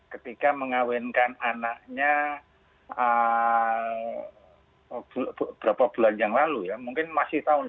ketika mengawinkan anaknya beberapa bulan yang lalu ya mungkin masih tahun dua ribu sembilan belas lah